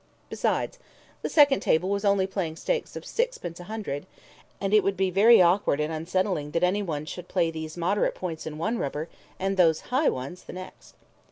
Besides, the second table was only playing stakes of sixpence a hundred, and it would be very awkward and unsettling that anyone should play these moderate points in one rubber and those high ones the next.